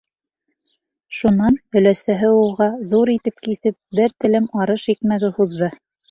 Шунан оләсәһе уға, ҙур итеп киҫеп, бер телем арыш икмәге һуҙҙы.